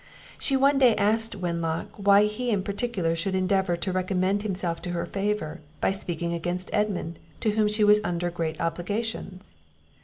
She one day asked Wenlock, why he in particular should endeavour to recommend himself to her favour, by speaking against Edmund, to whom she was under great obligations?